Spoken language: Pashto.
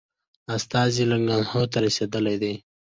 استازی لکنهو ته رسېدلی دی.